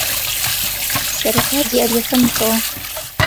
سەرەتا دیارییەکەم بکەوە.